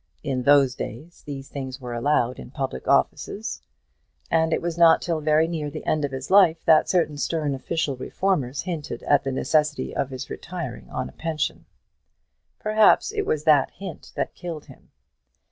In those days these things were allowed in public offices; and it was not till very near the end of his life that certain stern official reformers hinted at the necessity of his retiring on a pension. Perhaps it was that hint that killed him.